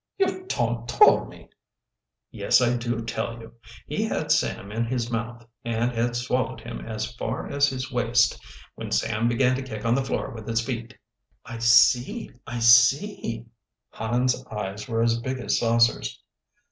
"You ton't tole me!" "Yes, I do tell you. He had Sam in his mouth, and had swallowed him as far as his waist, when Sam began to kick on the floor with his feet." "I see, I see " Hans' eyes were as big as saucers.